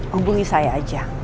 hubungi saya aja